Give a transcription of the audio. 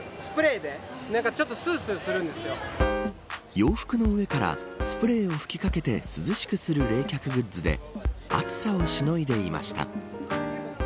洋服の上からスプレーを吹きかけて涼しくする冷却グッズで暑さをしのいでいました。